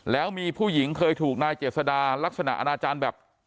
แล้วมีผู้หญิงเคยถูกนายเจษดาลักษณะอนาจารย์แบบ